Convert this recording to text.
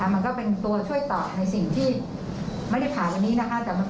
มันก็เป็นตัวช่วยตอบในสิ่งที่ไม่ได้ผ่านวันนี้นะคะ